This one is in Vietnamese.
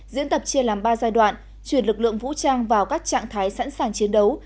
diễn tập chia làm ba giai đoạn chuyển lực lượng vũ trang vào các trạng thái sẵn sàng chiến đấu